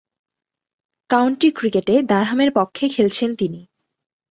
County ক্রিকেটে ডারহামের পক্ষে খেলছেন তিনি।